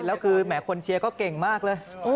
แล้วคือแหมคนเชียร์ก็เก่งมากเลย